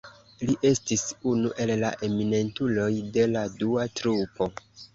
Li estis unu el la eminentuloj de la dua trupo.